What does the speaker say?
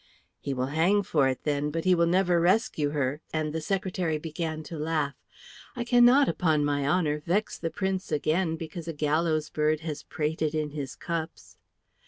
"He will hang for it, then, but he will never rescue her;" and the secretary began to laugh. "I cannot upon my honour vex the Prince again because a gallows bird has prated in his cups."